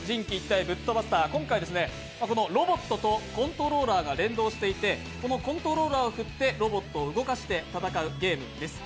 今回、ロボットとコントローラーが連動していてこのコントローラーを振ってロボットを動かして戦うゲームです。